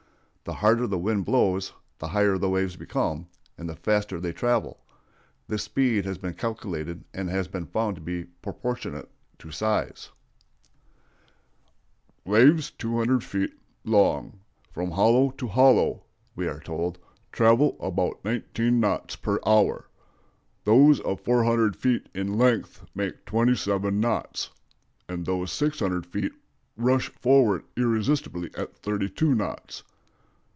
The harder the wind blows, the higher the waves become, and the faster they travel. This speed has been calculated, and has been found to be proportionate to size. "Waves 200 feet long from hollow to hollow," we are told, "travel about 19 knots per hour; those of 400 feet in length make 27 knots; and those of 600 feet rush forward irresistibly at 32 knots."